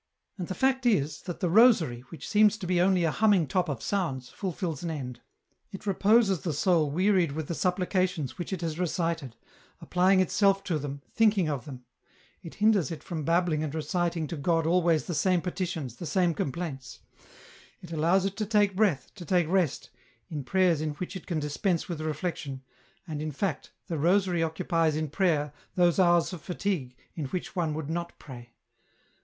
" And the fact is, that the rosary, which seems to be only a humming top of sounds, fulfils an end. It reposes the soul wearied with the supplications which it has recited, applying itself to them, thinking of them ; it hinders it from babbling and recit ing to God always the same petitions, the same complaints ; it allows it to take breath, to take rest, in prayeis in which it can dispense with reflection, and, in fact, the rosary occupies in prayer, those hours of fatigue in which one would not pray.